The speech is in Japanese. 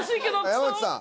山内さん。